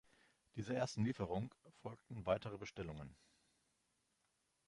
Dieser ersten Lieferung folgten weitere Bestellungen.